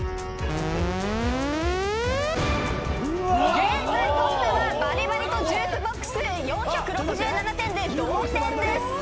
現在トップはバリバリとジュークボックス４６７点で同点です。